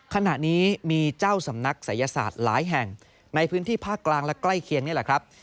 ขณะนี้มีเจ้าสำนักศัยศาสตร์หลายแห่งในพื้นที่ภาคกลางและใกล้เคียงนี่แหละครับ